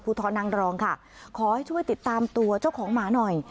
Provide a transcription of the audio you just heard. ทรนางรองค่ะขอให้ช่วยติดตามตัวเจ้าของหมาหน่อย